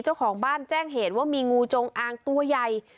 เจ้าของบ้านแจ้งเหตุว่ามีงูจงอางตัวใหญ่